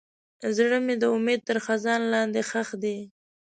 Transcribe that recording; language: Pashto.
زړه مې د امید تر خزان لاندې ښخ دی.